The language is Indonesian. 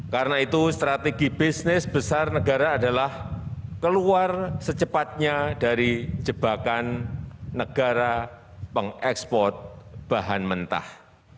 karena itu strategi bisnis besar negara adalah keluar secepatnya dari jebakan negara pengekspor bahan mentah